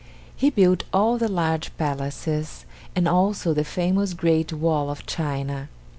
He built all the large palaces, and also the famous great wall of China.